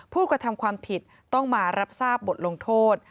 ผู้กระทำความผิดต้องมารับทราบบทลงโทษ